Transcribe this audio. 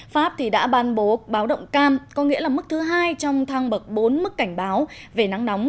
pháp đã ban bố báo động cam có nghĩa là mức thứ hai trong thang bậc bốn mức cảnh báo về nắng nóng